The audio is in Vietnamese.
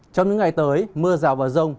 trong những ngày tới mưa rào vào rông